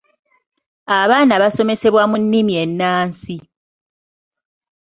Abaana basomesebwa mu nnimi ennansi.